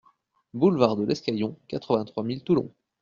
Boulevard de l'Escaillon, quatre-vingt-trois mille Toulon